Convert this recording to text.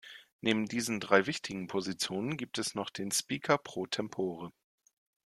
Neben diesen drei wichtigen Positionen gibt es noch den "Speaker Pro Tempore".